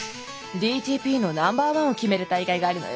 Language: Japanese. ＤＴＰのナンバーワンを決める大会があるのよ。